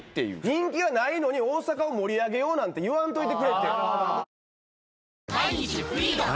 人気がないのに大阪を盛り上げようなんて言わんといて。